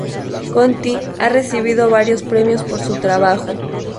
Conti ha recibido varios premios por su trabajo.